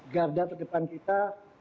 garda terdepan kita